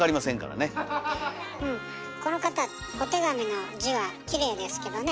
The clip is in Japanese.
この方お手紙の字はキレイですけどね